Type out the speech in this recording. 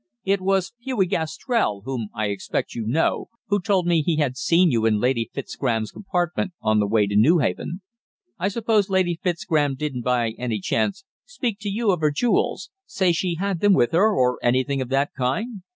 It was Hughie Gastrell, whom I expect you know, who told me he had seen you in Lady Fitzgraham's compartment on the way to Newhaven. I suppose Lady Fitzgraham didn't, by any chance, speak to you of her jewels say she had them with her, or anything of that kind?"